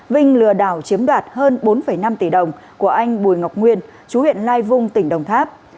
vinh lừa đảo chiếm đoạt hơn bốn năm tỷ đồng của anh bùi ngọc nguyên chú huyện lai vung tỉnh đồng tháp